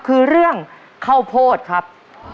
คือเรื่องข้าวโพดครับ